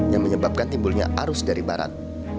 yang menyebabkan timbulnya arus dari barat